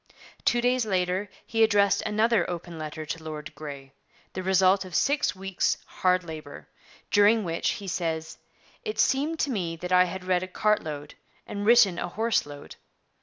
Two days later he addressed another open letter to Lord Grey, the result of six weeks' hard labour, during which, he says, 'it seemed to me that I had read a cart load and written a horse load.'